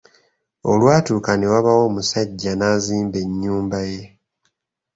Olwatuuka ne wabaawo omusajja n’azimba ennyumba ye.